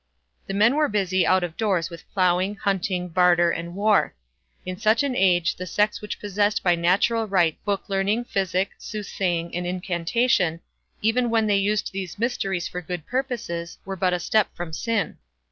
The men were busy out of doors with ploughing, hunting, barter, and war. In such an age the sex which possessed by natural right book learning, physic, soothsaying, and incantation, even when they used these mysteries for good purposes, were but a step from sin.